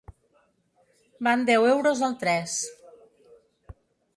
Van deu euros al tres.